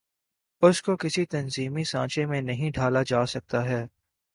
اس کو کسی تنظیمی سانچے میں نہیں ڈھا لا جا سکتا ہے۔